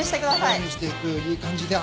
いい感じで。